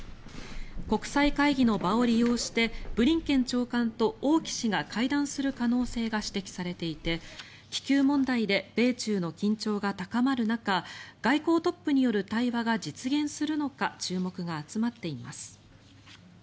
国際会議の場を利用してブリンケン長官と王毅氏が会談する可能性が指摘されていて気球問題で米中の緊張が高まる中外交トップによる対話が実現するのか注目が集まっています。